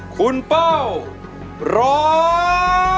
คุณเป้าร้อง